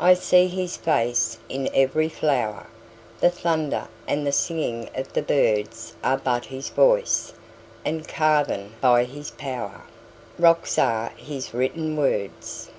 I see his face in every flower; The thunder and the singing of the birdsAre but his voice—and carven by his powerRocks are his written words.